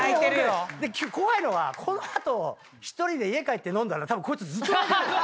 怖いのはこの後１人で家帰って飲んだらたぶんこいつずっと泣いてる！